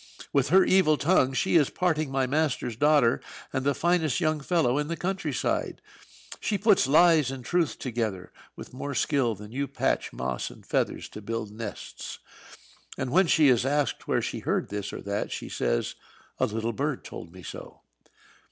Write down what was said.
"With her evil tongue she is parting my master's daughter and the finest young fellow in the country side. She puts lies and truth together, with more skill than you patch moss and feathers to build nests. And when she is asked where she heard this or that, she says, 'A little bird told me so.'"